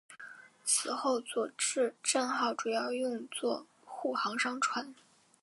此后佐治镇号主要用作护航商船。